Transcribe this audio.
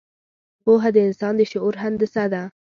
پوهه د انسان د شعور هندسه ده.